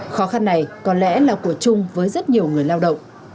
khó khăn này có lẽ là của chung với rất nhiều người lao động